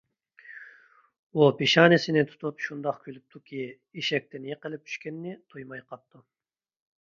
ئۇ پېشانىسىنى تۇتۇپ، شۇنداق كۈلۈپتۇكى، ئېشەكتىن يىقىلىپ چۈشكىنىنى تۇيماي قاپتۇ.